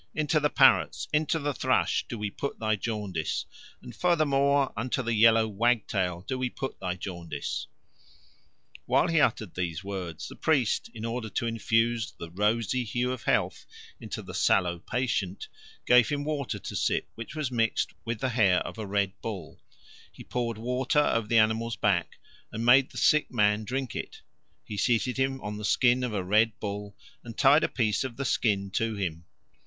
Into the parrots, into the thrush, do we put thy jaundice, and, furthermore, into the yellow wagtail do we put thy jaundice." While he uttered these words, the priest, in order to infuse the rosy hue of health into the sallow patient, gave him water to sip which was mixed with the hair of a red bull; he poured water over the animal's back and made the sick man drink it; he seated him on the skin of a red bull and tied a piece of the skin to him.